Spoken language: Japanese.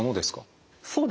そうですね。